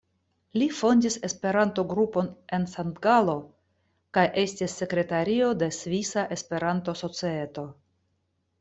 Li fondis Esperanto-grupon en Sankt-Galo kaj estis sekretario de Svisa Esperanto-Societo.